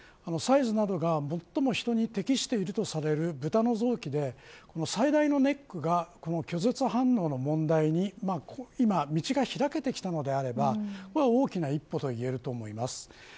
サイズなどが最も人に適しているとされるブタの臓器で最大のネックが拒絶反応の問題に今、道が開けてきたのであれば大きな一歩といえると思います。